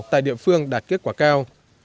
tại địa phương đạt kết quả cao